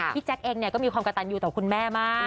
พี่แจ็คเองเนี่ยก็มีความกะตันยูต่อคุณแม่มาก